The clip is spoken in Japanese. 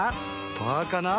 パーかな？